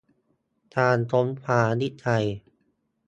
การค้นคว้าวิจัย